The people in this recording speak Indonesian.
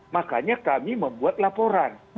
makanya kami membuat laporan